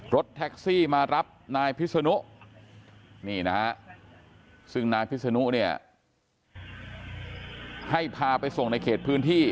รถแท็กซี่มารับนายพิศนุนี่นะฮะซึ่งนายพิศนุเนี่ยให้พาไปส่งในเขตพื้นที่